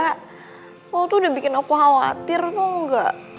bapak tuh udah bikin aku khawatir tau gak